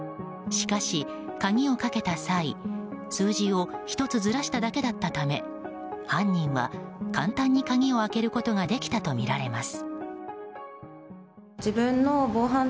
しかし、鍵をかけた際数字を１つずらしただけだったため犯人は簡単に鍵を開けることができたとみられます。